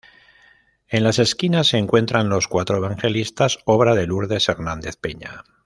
En las esquinas se encuentran los cuatro Evangelistas obra de Lourdes Hernández Peña.